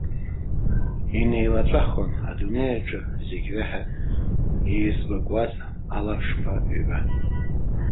Инеилаҵәахон адунеи аҿы зегь реиҳа еизгәыкуаз алаԥшқәа ҩба!